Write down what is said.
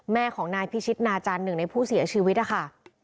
แม่ของนายพิชิตนาจันทร์หนึ่งในผู้เสียชีวิตนะคะ